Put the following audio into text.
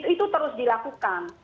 itu terus dilakukan